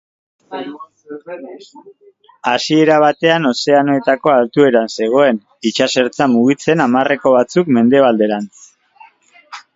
Hasiera batean ozeanoetako altueran zegoen, itsasertza mugitzen hamarreko batzuk mendebalderantz.